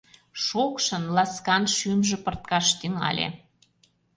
Шокшын, ласкан шӱмжӧ пырткаш тӱҥале.